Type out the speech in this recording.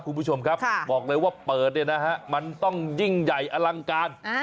คุณผู้ชมครับบอกเลยว่าเปิดเนี่ยนะฮะมันต้องยิ่งใหญ่อลังการ